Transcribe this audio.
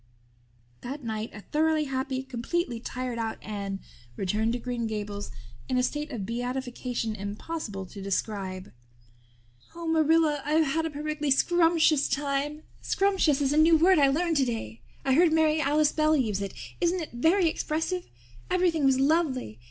That night a thoroughly happy, completely tired out Anne returned to Green Gables in a state of beatification impossible to describe. "Oh, Marilla, I've had a perfectly scrumptious time. Scrumptious is a new word I learned today. I heard Mary Alice Bell use it. Isn't it very expressive? Everything was lovely.